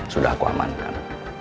sudah aku amankan